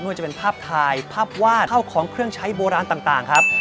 ว่าจะเป็นภาพถ่ายภาพวาดเข้าของเครื่องใช้โบราณต่างครับ